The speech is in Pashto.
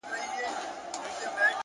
لوړ هدفونه اوږده حوصله غواړي،